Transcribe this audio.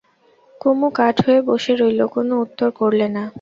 কুমু কাঠ হয়ে বসে রইল, কোনো উত্তর করলে না।